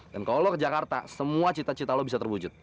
dan kalau lu ke jakarta semua cita cita lu bisa terwujud